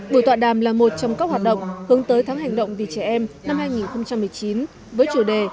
buổi tọa đàm là một trong các hoạt động hướng tới tháng hành động vì trẻ em năm hai nghìn một mươi chín với chủ đề